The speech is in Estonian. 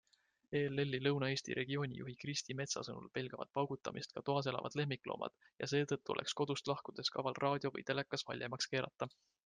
ELLi Lõuna-Eesti regioonijuhi Kristi Metsa sõnul pelgavad paugutamist ka toas elavad lemmikloomad ja seetõttu oleks kodust lahkudes kaval raadio või telekas valjemaks keerata.